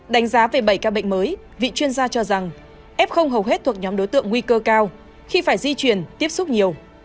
đánh giá về bảy ca bệnh mới vị chuyên gia cho rằng f hầu hết thuộc nhóm đối tượng nguy cơ cao khi phải di chuyển tiếp xúc nhiều